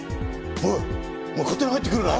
おいお前勝手に入ってくるなよ。